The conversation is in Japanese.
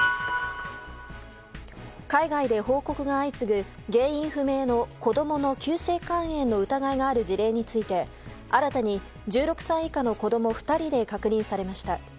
海外で報告が相次ぐ原因不明の子供の急性肝炎の疑いがある事例について新たに１６歳以下の子供２人で確認されました。